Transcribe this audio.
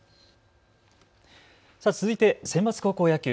さあ、続いてセンバツ高校野球。